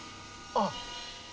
あっ！